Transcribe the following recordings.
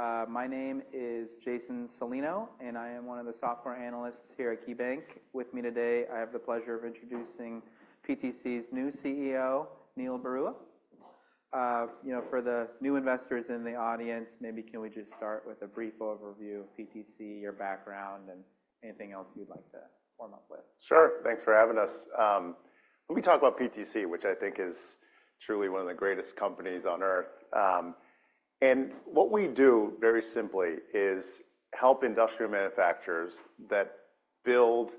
So, my name is Jason Celino, and I am one of the software analysts here at KeyBanc. With me today, I have the pleasure of introducing PTC's new CEO, Neil Barua. You know, for the new investors in the audience, maybe can we just start with a brief overview of PTC, your background, and anything else you'd like to warm up with? Sure. Thanks for having us. Let me talk about PTC, which I think is truly one of the greatest companies on Earth. What we do, very simply, is help industrial manufacturers that build,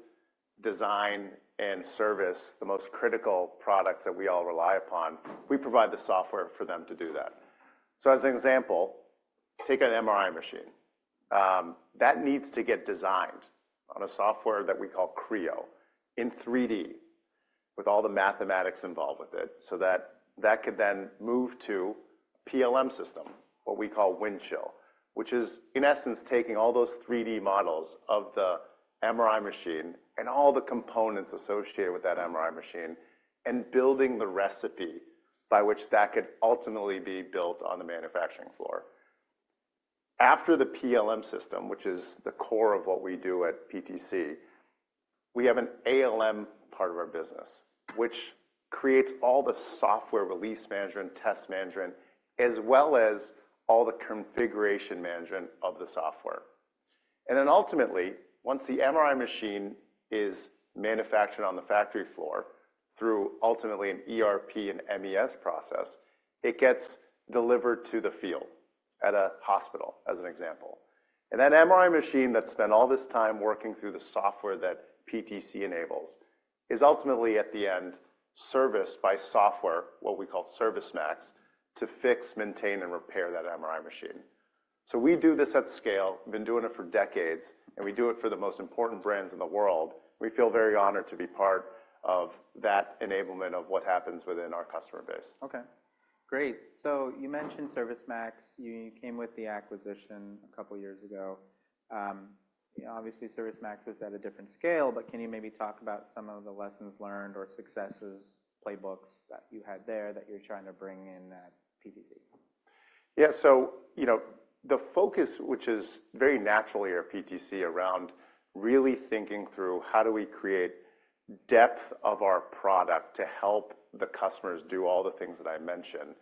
design, and service the most critical products that we all rely upon. We provide the software for them to do that. So as an example, take an MRI machine. That needs to get designed on a software that we call Creo, in 3D, with all the mathematics involved with it, so that that could then move to a PLM system, what we call Windchill, which is, in essence, taking all those 3D models of the MRI machine and all the components associated with that MRI machine and building the recipe by which that could ultimately be built on the manufacturing floor. After the PLM system, which is the core of what we do at PTC, we have an ALM part of our business, which creates all the software release management, test management, as well as all the configuration management of the software. Then ultimately, once the MRI machine is manufactured on the factory floor through, ultimately, an ERP and MES process, it gets delivered to the field at a hospital, as an example. That MRI machine that spent all this time working through the software that PTC enables is ultimately, at the end, serviced by software, what we call ServiceMax, to fix, maintain, and repair that MRI machine. We do this at scale. We've been doing it for decades. We do it for the most important brands in the world. We feel very honored to be part of that enablement of what happens within our customer base. Okay. Great. So you mentioned ServiceMax. You came with the acquisition a couple years ago. Obviously, ServiceMax was at a different scale, but can you maybe talk about some of the lessons learned or successes, playbooks, that you had there that you're trying to bring in at PTC? Yeah. So, you know, the focus, which is very naturally at PTC, around really thinking through how do we create depth of our product to help the customers do all the things that I mentioned,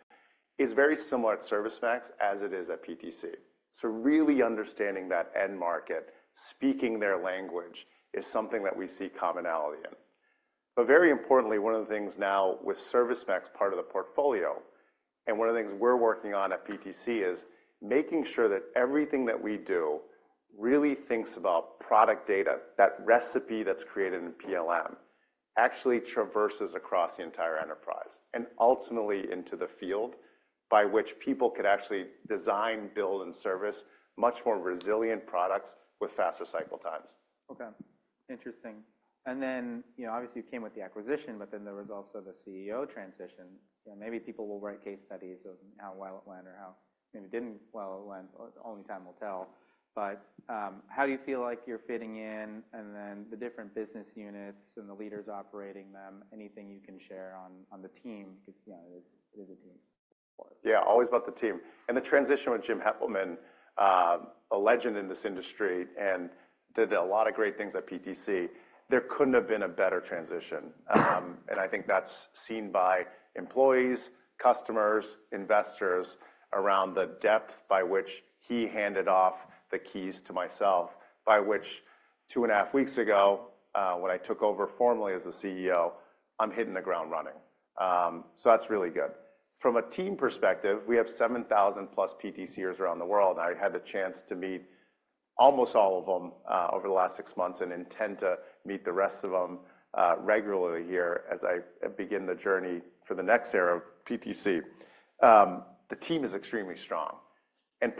is very similar at ServiceMax as it is at PTC. So really understanding that end market, speaking their language, is something that we see commonality in. But very importantly, one of the things now with ServiceMax part of the portfolio, and one of the things we're working on at PTC, is making sure that everything that we do really thinks about product data, that recipe that's created in PLM, actually traverses across the entire enterprise and ultimately into the field by which people could actually design, build, and service much more resilient products with faster cycle times. Okay. Interesting. And then, you know, obviously, you came with the acquisition, but then the results of the CEO transition. You know, maybe people will write case studies of how well it went or how maybe it didn't. Well, it went. Only time will tell. But how do you feel like you're fitting in and then the different business units and the leaders operating them? Anything you can share on the team? 'Cause, you know, it is a team sport. Yeah. Always about the team. The transition with Jim Heppelmann, a legend in this industry, and did a lot of great things at PTC, there couldn't have been a better transition. I think that's seen by employees, customers, investors around the depth by which he handed off the keys to myself, by which, two and a half weeks ago, when I took over formally as the CEO, I'm hitting the ground running. That's really good. From a team perspective, we have 7,000+ PTCers around the world. I had the chance to meet almost all of them, over the last six months and intend to meet the rest of them, regularly here as I begin the journey for the next era of PTC. The team is extremely strong.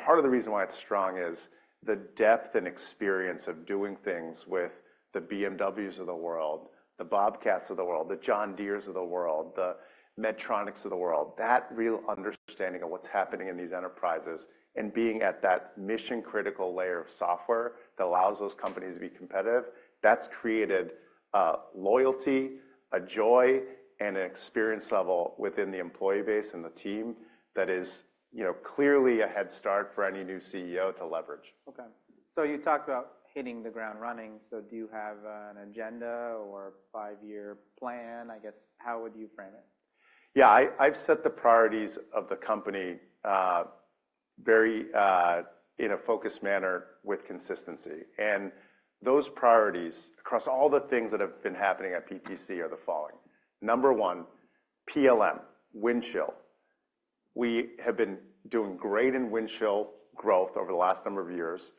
Part of the reason why it's strong is the depth and experience of doing things with the BMWs of the world, the Bobcats of the world, the John Deeres of the world, the Medtronics of the world, that real understanding of what's happening in these enterprises and being at that mission-critical layer of software that allows those companies to be competitive, that's created loyalty, a joy, and an experience level within the employee base and the team that is, you know, clearly a head start for any new CEO to leverage. Okay. So you talked about hitting the ground running. So do you have an agenda or a five-year plan? I guess, how would you frame it? Yeah. I've set the priorities of the company very in a focused manner with consistency. And those priorities, across all the things that have been happening at PTC, are the following. Number one, PLM, Windchill. We have been doing great in Windchill growth over the last number of years.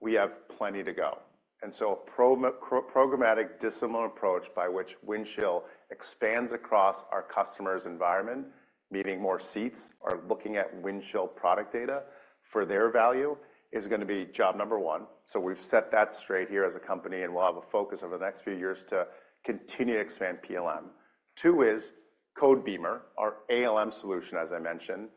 We have plenty to go. And so a programmatic, disciplined approach by which Windchill expands across our customer's environment, meeting more seats, or looking at Windchill product data for their value, is gonna be job number one. So we've set that straight here as a company. And we'll have a focus over the next few years to continue to expand PLM. Two is Codebeamer, our ALM solution, as I mentioned,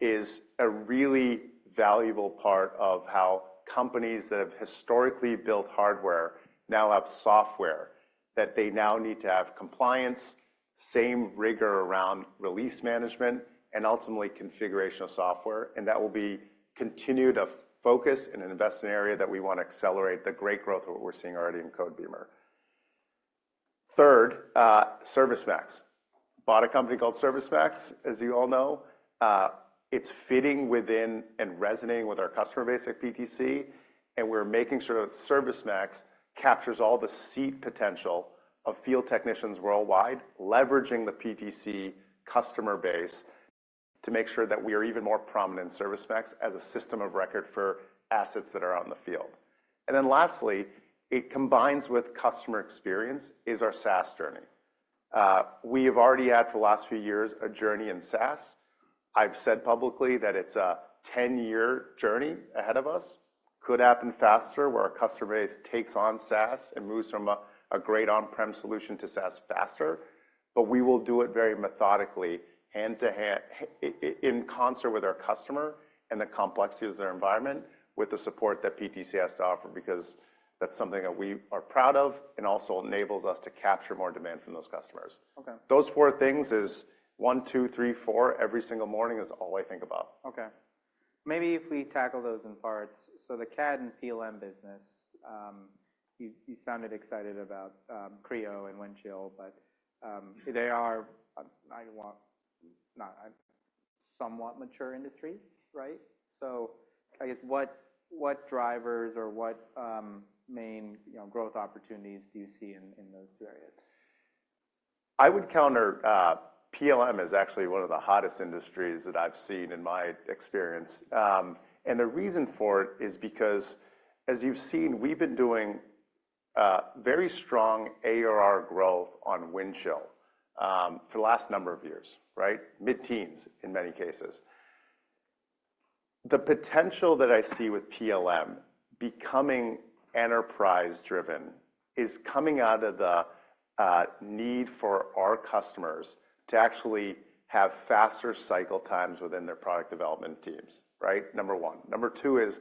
is a really valuable part of how companies that have historically built hardware now have software that they now need to have compliance, same rigor around release management, and ultimately configurational software. And that will be continued a focus and an investment area that we wanna accelerate the great growth that we're seeing already in Codebeamer. Third, ServiceMax. Bought a company called ServiceMax, as you all know. It's fitting within and resonating with our customer base at PTC. And we're making sure that ServiceMax captures all the seat potential of field technicians worldwide, leveraging the PTC customer base to make sure that we are even more prominent in ServiceMax as a system of record for assets that are out in the field. And then lastly, it combines with customer experience is our SaaS journey. We have already had, for the last few years, a journey in SaaS. I've said publicly that it's a 10-year journey ahead of us. Could happen faster, where our customer base takes on SaaS and moves from a great on-prem solution to SaaS faster. But we will do it very methodically, hand to hand, in concert with our customer and the complexities of their environment with the support that PTC has to offer because that's something that we are proud of and also enables us to capture more demand from those customers. Okay. Those four things is one, two, three, four every single morning is all I think about. Okay. Maybe if we tackle those in parts. So the CAD and PLM business, you sounded excited about, Creo and Windchill, but they are somewhat mature industries, right? So I guess what drivers or what main, you know, growth opportunities do you see in those two areas? I would counter, PLM is actually one of the hottest industries that I've seen in my experience. And the reason for it is because, as you've seen, we've been doing very strong ARR growth on Windchill, for the last number of years, right? Mid-teens, in many cases. The potential that I see with PLM becoming enterprise-driven is coming out of the need for our customers to actually have faster cycle times within their product development teams, right? Number one. Number two is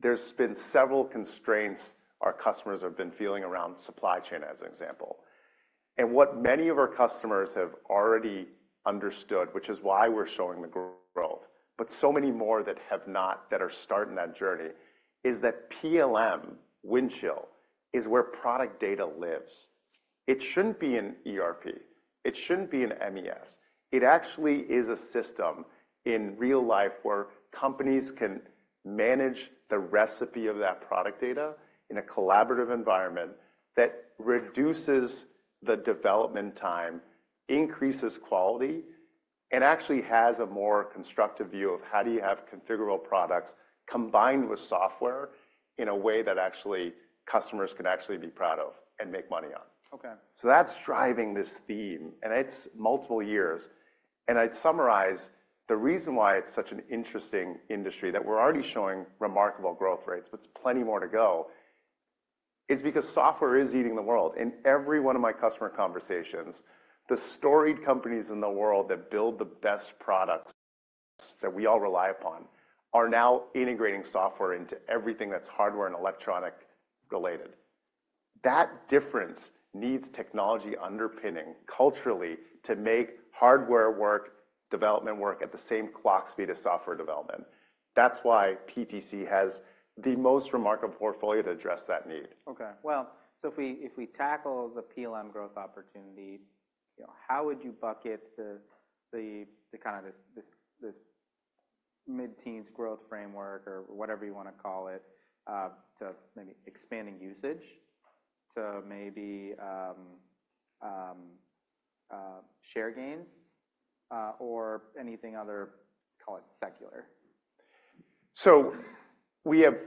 there's been several constraints our customers have been feeling around supply chain, as an example. And what many of our customers have already understood, which is why we're showing the growth, but so many more that have not that are starting that journey, is that PLM, Windchill, is where product data lives. It shouldn't be an ERP. It shouldn't be an MES. It actually is a system in real life where companies can manage the recipe of that product data in a collaborative environment that reduces the development time, increases quality, and actually has a more constructive view of how do you have configurable products combined with software in a way that actually customers can actually be proud of and make money on. Okay. That's driving this theme. It's multiple years. I'd summarize the reason why it's such an interesting industry, that we're already showing remarkable growth rates, but it's plenty more to go, is because software is eating the world. In every one of my customer conversations, the storied companies in the world that build the best products that we all rely upon are now integrating software into everything that's hardware and electronic-related. That difference needs technology underpinning culturally to make hardware work, development work at the same clock speed as software development. That's why PTC has the most remarkable portfolio to address that need. Okay. Well, so if we tackle the PLM growth opportunity, you know, how would you bucket the kind of this mid-teens growth framework or whatever you wanna call it, to maybe expanding usage, to maybe share gains, or anything other, call it secular? So we have a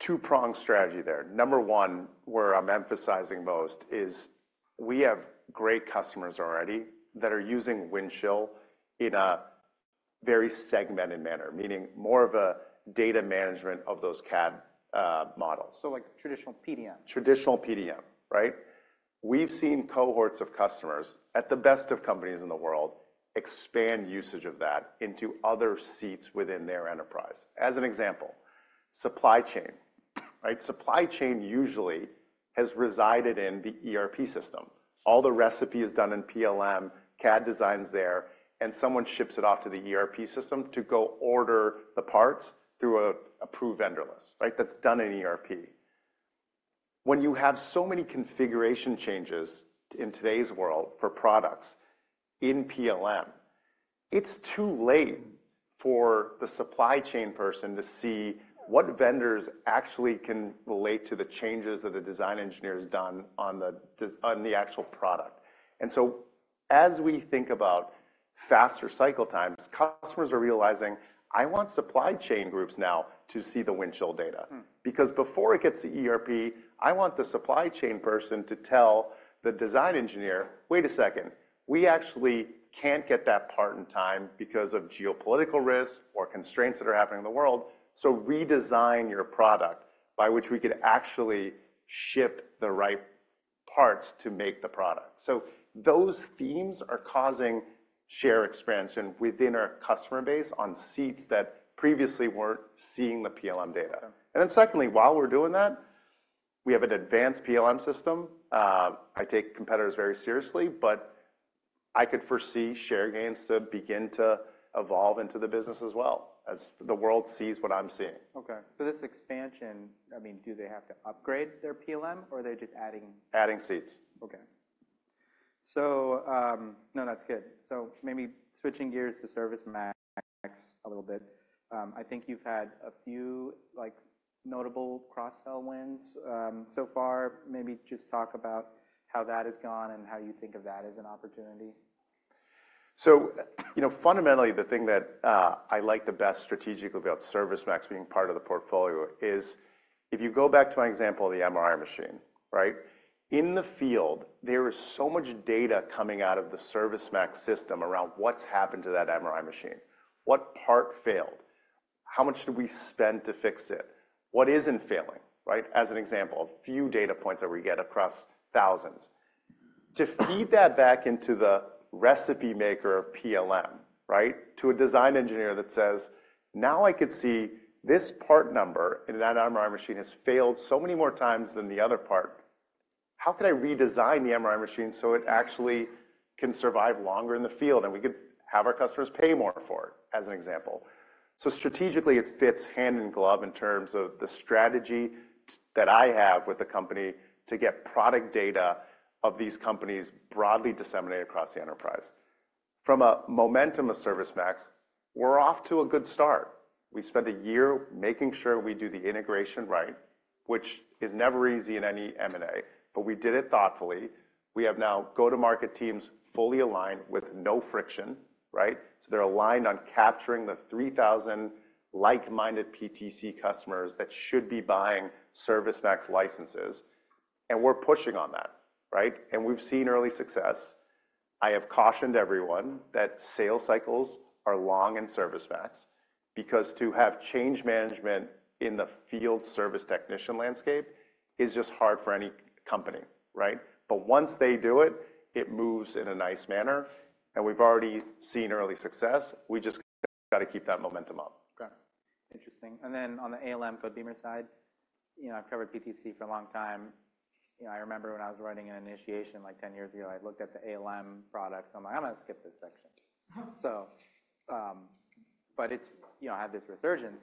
two-pronged strategy there. Number one, where I'm emphasizing most, is we have great customers already that are using Windchill in a very segmented manner, meaning more of a data management of those CAD models. So like traditional PDM? Traditional PDM, right? We've seen cohorts of customers at the best of companies in the world expand usage of that into other seats within their enterprise. As an example, supply chain, right? Supply chain usually has resided in the ERP system. All the recipe is done in PLM, CAD design's there, and someone ships it off to the ERP system to go order the parts through an approved vendor list, right? That's done in ERP. When you have so many configuration changes in today's world for products in PLM, it's too late for the supply chain person to see what vendors actually can relate to the changes that a design engineer has done on the design of the actual product. And so as we think about faster cycle times, customers are realizing, "I want supply chain groups now to see the Windchill data." Because before it gets to ERP, I want the supply chain person to tell the design engineer, "Wait a second. We actually can't get that part in time because of geopolitical risks or constraints that are happening in the world. So redesign your product by which we could actually ship the right parts to make the product." So those themes are causing share expansion within our customer base on seats that previously weren't seeing the PLM data. Okay. And then secondly, while we're doing that, we have an advanced PLM system. I take competitors very seriously, but I could foresee share gains to begin to evolve into the business as well as the world sees what I'm seeing. Okay. So this expansion, I mean, do they have to upgrade their PLM, or are they just adding? Adding seats. Okay. So, no, that's good. So maybe switching gears to ServiceMax a little bit. I think you've had a few, like, notable cross-sell wins, so far. Maybe just talk about how that has gone and how you think of that as an opportunity. So, you know, fundamentally, the thing that, I like the best strategically about ServiceMax being part of the portfolio is if you go back to my example of the MRI machine, right? In the field, there is so much data coming out of the ServiceMax system around what's happened to that MRI machine, what part failed, how much did we spend to fix it, what isn't failing, right? As an example, a few data points that we get across thousands. To feed that back into the recipe maker of PLM, right, to a design engineer that says, "Now I could see this part number in that MRI machine has failed so many more times than the other part. How could I redesign the MRI machine so it actually can survive longer in the field? And we could have our customers pay more for it," as an example. So strategically, it fits hand in glove in terms of the strategy that I have with the company to get product data of these companies broadly disseminated across the enterprise. From a momentum of ServiceMax, we're off to a good start. We spent a year making sure we do the integration right, which is never easy in any M&A, but we did it thoughtfully. We have now go-to-market teams fully aligned with no friction, right? So they're aligned on capturing the 3,000 like-minded PTC customers that should be buying ServiceMax licenses. We're pushing on that, right? We've seen early success. I have cautioned everyone that sales cycles are long in ServiceMax because to have change management in the field service technician landscape is just hard for any company, right? But once they do it, it moves in a nice manner. We've already seen early success. We just gotta keep that momentum up. Okay. Interesting. And then on the ALM, Codebeamer side, you know, I've covered PTC for a long time. You know, I remember when I was writing an initiation, like 10 years ago, I looked at the ALM products. I'm like, "I'm gonna skip this section." So, but it's, you know, had this resurgence.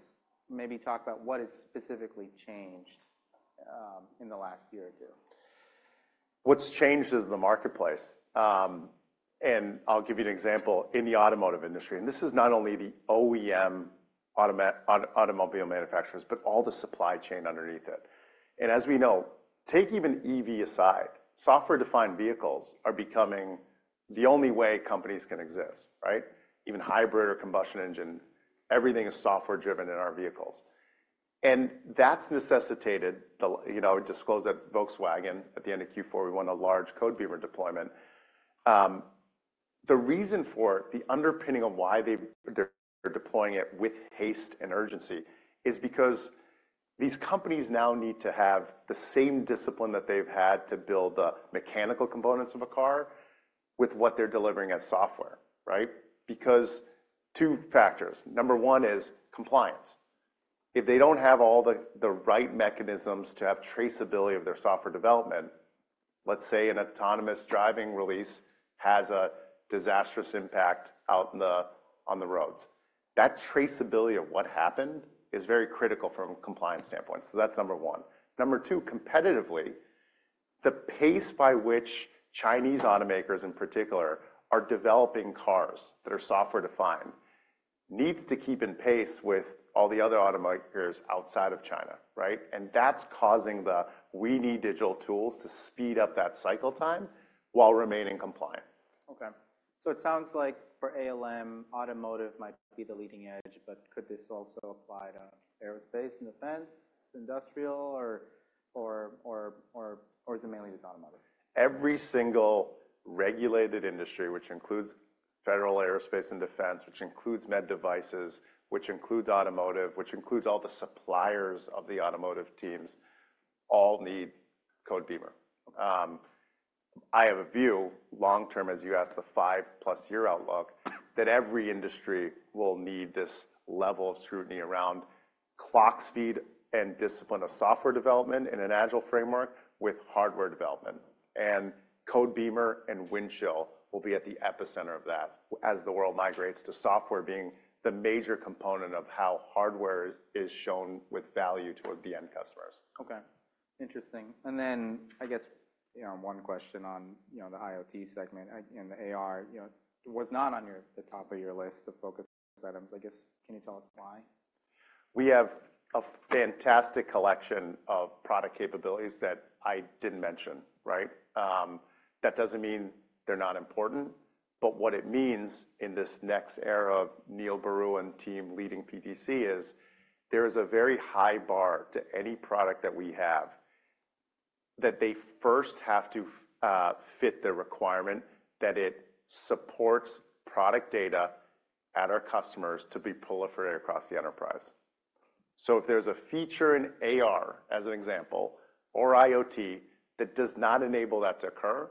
Maybe talk about what has specifically changed, in the last year or two. What's changed is the marketplace. And I'll give you an example. In the automotive industry and this is not only the OEM automobile manufacturers, but all the supply chain underneath it. And as we know, take even EV aside, software-defined vehicles are becoming the only way companies can exist, right? Even hybrid or combustion engine, everything is software-driven in our vehicles. And that's necessitated the, you know, I would disclose that Volkswagen at the end of Q4, we won a large Codebeamer deployment. The reason for it, the underpinning of why they're deploying it with haste and urgency is because these companies now need to have the same discipline that they've had to build the mechanical components of a car with what they're delivering as software, right? Because two factors. Number one is compliance. If they don't have all the right mechanisms to have traceability of their software development, let's say an autonomous driving release has a disastrous impact out on the roads. That traceability of what happened is very critical from a compliance standpoint. So that's number one. Number two, competitively, the pace by which Chinese automakers, in particular, are developing cars that are software-defined needs to keep in pace with all the other automakers outside of China, right? And that's causing the, "We need digital tools to speed up that cycle time while remaining compliant." Okay. So it sounds like for ALM, automotive might be the leading edge, but could this also apply to aerospace and defense, industrial, or is it mainly just automotive? Every single regulated industry, which includes federal aerospace and defense, which includes med devices, which includes automotive, which includes all the suppliers of the automotive teams, all need Codebeamer. Okay. I have a view, long-term, as you asked, the five-plus year outlook, that every industry will need this level of scrutiny around clock speed and discipline of software development in an agile framework with hardware development. Codebeamer and Windchill will be at the epicenter of that as the world migrates to software being the major component of how hardware is, is shown with value toward the end customers. Okay. Interesting. And then, I guess, you know, one question on, you know, the IoT segment and the AR, you know, was not on the top of your list of focus items. I guess, can you tell us why? We have a fantastic collection of product capabilities that I didn't mention, right? That doesn't mean they're not important. But what it means in this next era of Neil Barua's team leading PTC is there is a very high bar to any product that we have that they first have to fit the requirement that it supports product data at our customers to be proliferated across the enterprise. So if there's a feature in AR, as an example, or IoT that does not enable that to occur,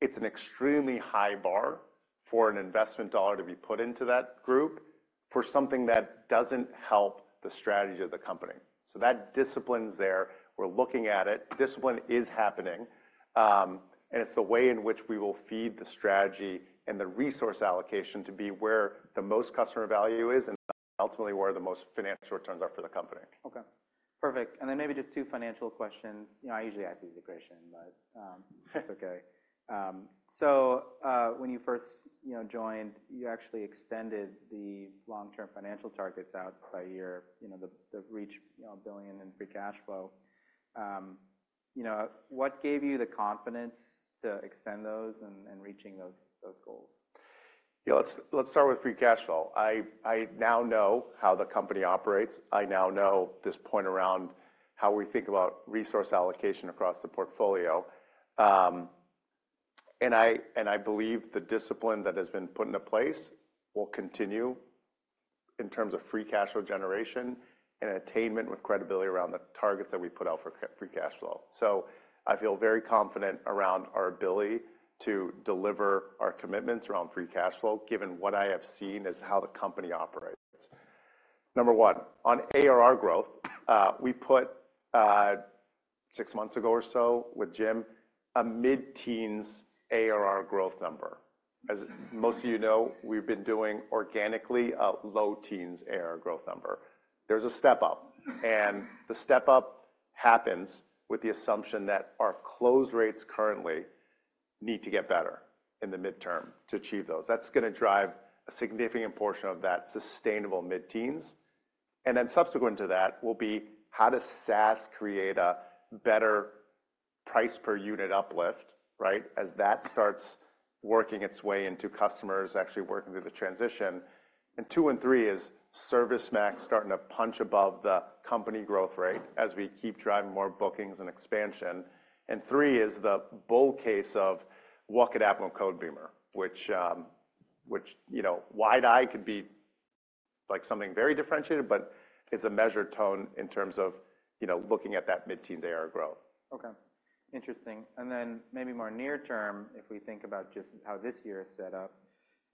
it's an extremely high bar for an investment dollar to be put into that group for something that doesn't help the strategy of the company. So that discipline's there. We're looking at it. Discipline is happening. It's the way in which we will feed the strategy and the resource allocation to be where the most customer value is and ultimately where the most financial returns are for the company. Okay. Perfect. And then maybe just two financial questions. You know, I usually ask these at Gratien, but that's okay. So, when you first, you know, joined, you actually extended the long-term financial targets out by your, you know, the, the reach, you know, $1 billion in free cash flow. You know, what gave you the confidence to extend those and, and reaching those, those goals? Yeah. Let's, let's start with free cash flow. I, I now know how the company operates. I now know this point around how we think about resource allocation across the portfolio. And I and I believe the discipline that has been put into place will continue in terms of free cash flow generation and attainment with credibility around the targets that we put out for our free cash flow. So I feel very confident around our ability to deliver our commitments around free cash flow given what I have seen as how the company operates. Number one, on ARR growth, we put, six months ago or so with Jim a mid-teens ARR growth number. As most of you know, we've been doing organically a low-teens ARR growth number. There's a step up. And the step up happens with the assumption that our close rates currently need to get better in the midterm to achieve those. That's gonna drive a significant portion of that sustainable mid-teens. And then subsequent to that will be how does SaaS create a better price per unit uplift, right, as that starts working its way into customers actually working through the transition? And two and three is ServiceMax starting to punch above the company growth rate as we keep driving more bookings and expansion. And three is the bull case of, "Walk it out with Codebeamer," which, you know, Windchill could be like something very differentiated, but it's a measured tone in terms of, you know, looking at that mid-teens ARR growth. Okay. Interesting. And then maybe more near-term, if we think about just how this year is set up,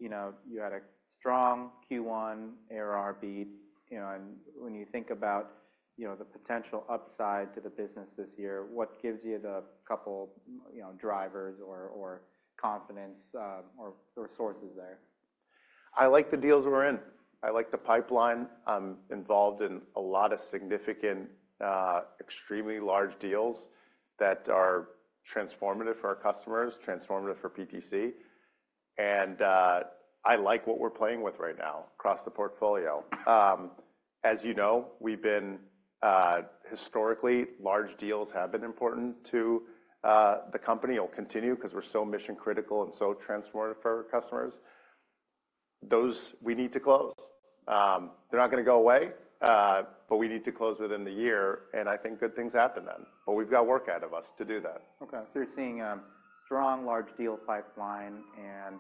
you know, you had a strong Q1 ARR beat, you know, and when you think about, you know, the potential upside to the business this year, what gives you the couple, you know, drivers or, or confidence, or, or sources there? I like the deals we're in. I like the pipeline. I'm involved in a lot of significant, extremely large deals that are transformative for our customers, transformative for PTC. And I like what we're playing with right now across the portfolio. As you know, we've been historically large deals have been important to the company. It'll continue 'cause we're so mission-critical and so transformative for our customers. Those we need to close. They're not gonna go away, but we need to close within the year. And I think good things happen then. But we've got work ahead of us to do that. Okay. So you're seeing strong large deal pipeline. And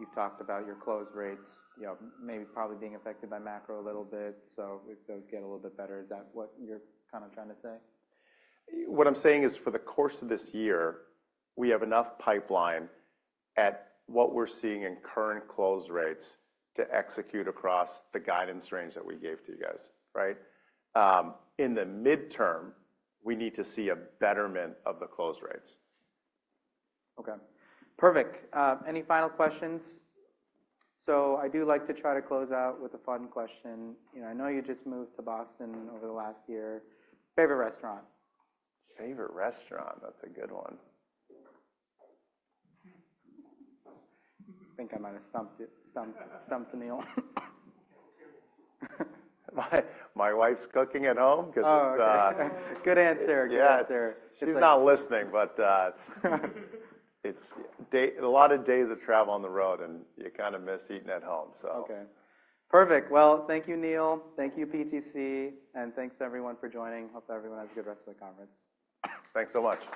you've talked about your close rates, you know, maybe probably being affected by macro a little bit. So if those get a little bit better, is that what you're kinda trying to say? What I'm saying is for the course of this year, we have enough pipeline at what we're seeing in current close rates to execute across the guidance range that we gave to you guys, right? In the midterm, we need to see a betterment of the close rates. Okay. Perfect. Any final questions? So I do like to try to close out with a fun question. You know, I know you just moved to Boston over the last year. Favorite restaurant? Favorite restaurant? That's a good one. I think I might have stumped you, Neil. My wife's cooking at home 'cause it's. Oh, okay. Good answer. Good answer. Yeah. She's not listening, but it's a lot of days of travel on the road, and you kinda miss eating at home, so. Okay. Perfect. Well, thank you, Neil. Thank you, PTC. Thanks, everyone, for joining. Hope everyone has a good rest of the conference. Thanks so much.